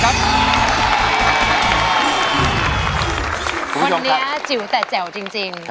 คนนี้จิ๋วแต่แจ๋วจริง